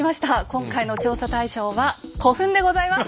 今回の調査対象は「古墳」でございます。